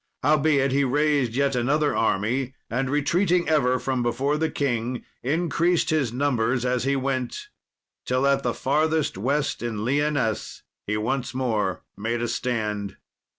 Howbeit, he raised yet another army, and retreating ever from before the king, increased his numbers as he went, till at the farthest west in Lyonesse, he once more made a stand.